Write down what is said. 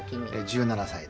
１７歳で。